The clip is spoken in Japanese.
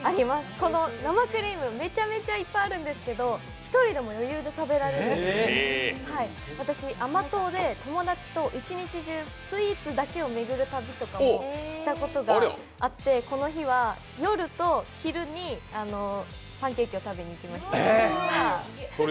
この生クリームめちゃめちゃいっぱいあるんですけど、一人でも余裕で食べられるので、私甘党で、友達と一日中、スイーツだけを巡るたびとかもしたことがあって、この日は夜と昼にパンケーキを食べに行きました。